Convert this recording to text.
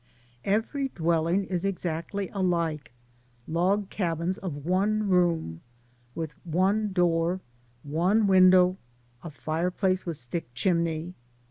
Every dwelling is exactly alike, log cabins of one room, with one door, one window, a fire place with stick chimney.